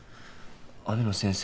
「雨野先生